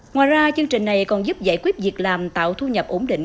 ngoài ra chương trình này còn giúp giải quyết việc làm tạo thu nhập ổn định